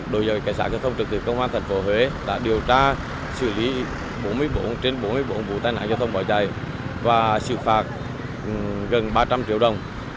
đội cảnh sát giao thông trật tự công an tp huế đã điều tra xử lý bốn mươi bốn trên bốn mươi bốn vụ tai nạn giao thông bỏ trốn và xử phạt gần ba trăm linh triệu đồng